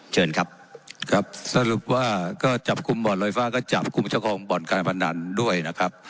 เชิญครับครับสรุปว่าก็จับกลุ่มบ่อนลอยฟ้าก็จับกลุ่มเจ้าของบ่อนการพนันด้วยนะครับ